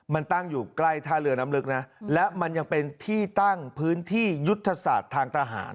มันตั้งอยู่ใกล้ท่าเรือน้ำลึกนะและมันยังเป็นที่ตั้งพื้นที่ยุทธศาสตร์ทางทหาร